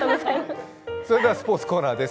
それではスポーツコーナーです。